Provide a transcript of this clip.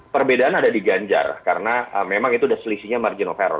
perbedaan ada di ganjar karena memang itu sudah selisihnya margin of error